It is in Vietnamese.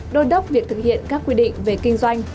đôn đốc việc thực hiện các quy định về kinh doanh